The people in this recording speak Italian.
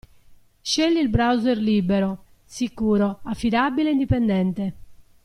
Scegli il browser libero, sicuro, affidabile e indipendente.